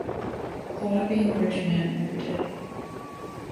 thought of being a rich man everyday